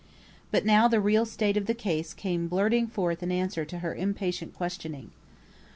But now the real state of the case came blurting forth in answer to her impatient questioning.